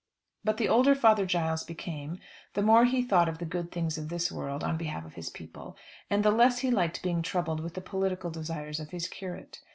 But the older Father Giles became the more he thought of the good things of this world, on behalf of his people, and the less he liked being troubled with the political desires of his curate.